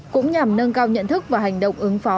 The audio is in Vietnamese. cũng nhằm nâng cao nhận thức và hành động ứng phó